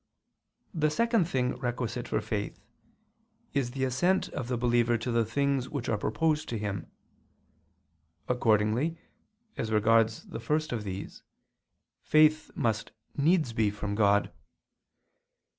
The second thing requisite for faith is the assent of the believer to the things which are proposed to him. Accordingly, as regards the first of these, faith must needs be from God.